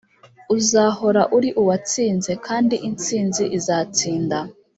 uzahora uri uwatsinze, kandi intsinzi izatsinda.